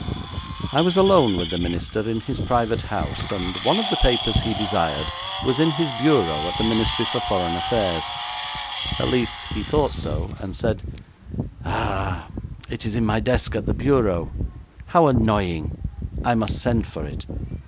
I was alone with the minister in his private house, and one of the papers he desired was in his bureau at the Ministry for Foreign Affairs; at least, he thought so, and said, 'Ah, it is in my desk at the bureau. How annoying! I must send for it!'